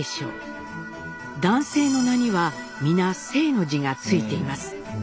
男性の名には皆「正」の字が付いています。